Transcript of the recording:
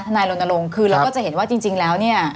นายรณรงค์คือเราก็จะเห็นว่าจริงแล้วเนี่ย